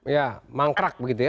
ya mangkrak begitu ya